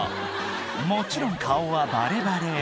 もちろん顔はバレバレ